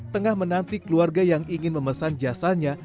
tengah menanti keluarga yang ingin memesan jasanya